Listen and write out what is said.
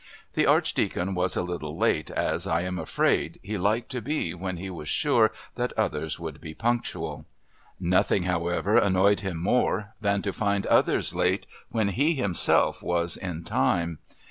The Archdeacon was a little late as, I am afraid, he liked to be when he was sure that others would be punctual. Nothing, however, annoyed him more than to find others late when he himself was in time.